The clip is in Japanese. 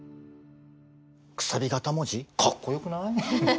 楔形文字かっこよくない？